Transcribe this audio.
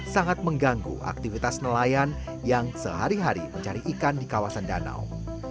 sangat mengganggu aktivitas nelayan yang sehari hari mencari ikan di kawasan danau